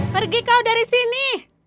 pergi kau dari sini